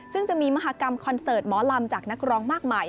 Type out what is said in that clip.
ซึ่งจะมีมหากรรมคอนเสิร์ตหมอลำจากนักร้องมากมาย